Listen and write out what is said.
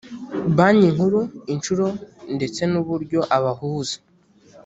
banki nkuru inshuro ndetse n uburyo abahuza